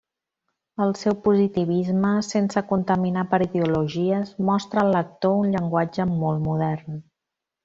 El seu positivisme, sense contaminar per ideologies, mostra al lector un llenguatge molt modern.